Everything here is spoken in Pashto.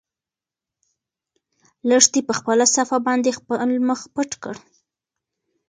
لښتې په خپله صافه باندې خپل مخ پټ کړ.